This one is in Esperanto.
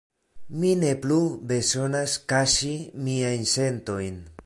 Mi ne plu bezonas kaŝi miajn sentojn.